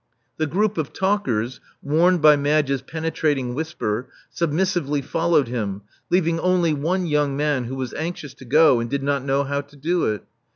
The group of talkers, warned by Madge's penetrating whisper, submissively followed him, leaving only one young man who was anxious to go, and did not know how to do it.